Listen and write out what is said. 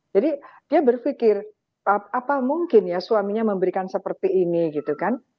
jadi dia berpikir apa mungkin ya suaminya memberikan seperti ini gitu kan